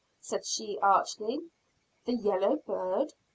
said she archly. "The yellow bird!"